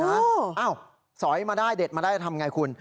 อ้าวสอยมาได้เด็ดมาได้ทำไงคุณ